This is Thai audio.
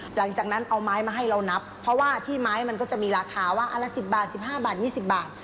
หลังจากนั้นเอาไม้มาให้เรานับเพราะว่าที่ไม้มันก็จะมีราคาว่าอันละ๑๐บาท๑๕บาท๒๐บาท